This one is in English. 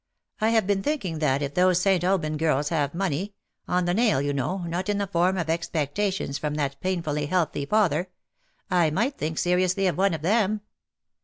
I have been thinking that if those St. Aubyn girls have money — on the nail, you know, not in the form of expectations from that painfully healthy father — I might think seriously of one of them.